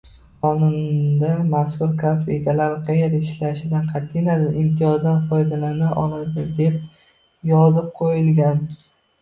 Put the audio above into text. Qonunda mazkur kasb egalari qayerda ishlashidan qatʼiy nazar, imtiyozdan foydalana oladi deb yozib qoʻyilgan.